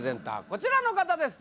こちらの方です